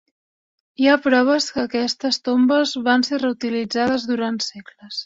Hi ha proves que aquestes tombes van ser reutilitzades durant segles.